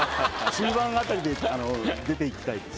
中盤あたりで出ていきたいです。